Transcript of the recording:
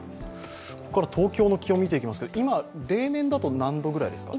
ここから東京の気温を見ていきますが今、例年だと何度ぐらいですか。